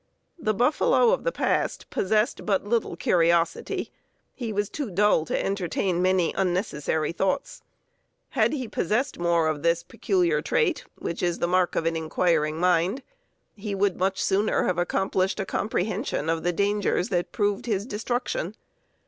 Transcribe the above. _ The buffalo of the past possessed but little curiosity; he was too dull to entertain many unnecessary thoughts. Had he possessed more of this peculiar trait, which is the mark of an inquiring mind, he would much sooner have accomplished a comprehension of the dangers that proved his destruction.